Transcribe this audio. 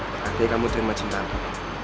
berarti kamu terima cinta aku